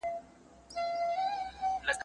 زه تمرين نه کوم!!